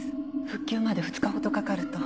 復旧まで２日ほどかかると。